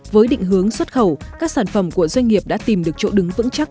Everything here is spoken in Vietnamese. với định hướng xuất khẩu các sản phẩm của doanh nghiệp đã tìm được chỗ đứng vững chắc